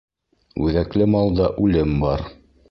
Үҙәкле малда үлем бар.